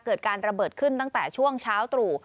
เกิดการระเบิดขึ้นตั้งแต่ช่วงเช้าตรู่